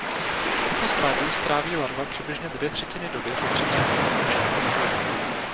V tomto stádiu stráví larva přibližně dvě třetiny doby potřebné pro dokončení vývoje.